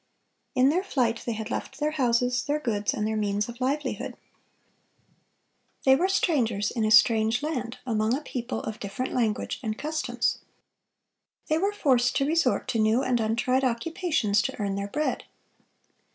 In their flight they had left their houses, their goods, and their means of livelihood. They were strangers in a strange land, among a people of different language and customs. They were forced to resort to new and untried occupations to earn their bread.